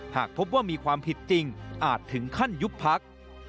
หากพบว่ามีความผิดจริงอาจถึงขั้นยุบพัก